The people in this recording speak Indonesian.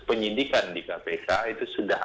penyidikan di kpk itu sudah